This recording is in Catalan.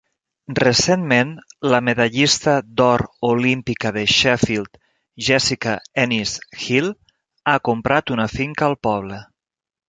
Recentment, la medallista d'or olímpica de Sheffield Jessica Ennis-Hill ha comprat una finca al poble.